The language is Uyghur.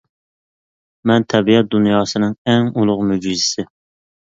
مەن تەبىئەت دۇنياسىنىڭ ئەڭ ئۇلۇغ مۆجىزىسى.